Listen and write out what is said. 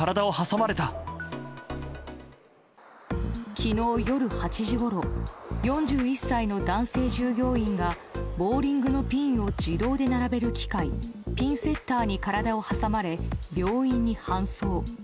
昨日夜８時ごろ４１歳の男性従業員がボウリングのピンを自動で並べる機械ピンセッターに体を挟まれ病院に搬送。